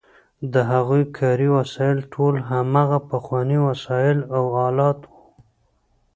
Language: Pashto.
د هغوی کاري وسایل ټول هماغه پخواني وسایل او آلات وو.